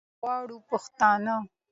که موږ غواړو پښتانه